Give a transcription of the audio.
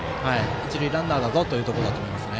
一塁ランナーだぞというところだと思います。